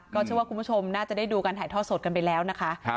เชื่อว่าคุณผู้ชมน่าจะได้ดูการถ่ายทอดสดกันไปแล้วนะคะ